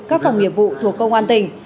các phòng nghiệp vụ thuộc công an tỉnh